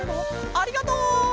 ありがとう！